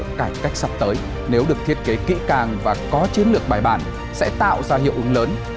các cải cách sắp tới nếu được thiết kế kỹ càng và có chiến lược bài bản sẽ tạo ra hiệu ứng lớn